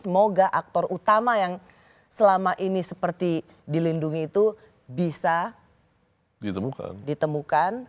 semoga aktor utama yang selama ini seperti dilindungi itu bisa ditemukan